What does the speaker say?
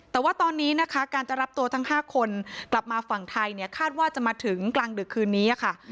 แต่ว่าตอนนี้นะคะการจะรับตัวทั้ง๕คนกลับมาฝั่งไทยเนี่ยคาดว่าจะมาถึงกลางดึกคืนนี้ค่ะ